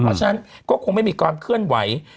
เพราะฉะนั้นก็คงไม่มีความเคลื่อนไหว